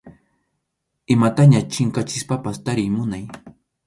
Imataña chinkachispapas tariy munay.